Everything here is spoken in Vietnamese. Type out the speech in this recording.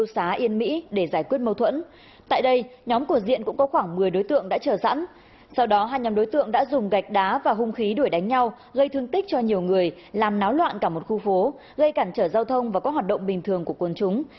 sau đó hai nhóm đối tượng đã dùng gạch đá và hung khí đuổi đánh nhau gây thương tích cho nhiều người làm náo loạn cả một khu phố gây cản trở giao thông và các hoạt động bình thường của quân chúng